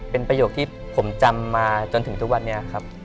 เป็นประโยคที่ผมจำมาจนถึงทุกวันนี้ครับ